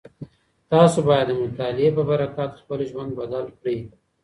تاسو بايد د مطالعې په برکت خپل ژوند بدل کړئ.